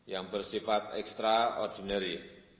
yang bersifat ekstra ordinary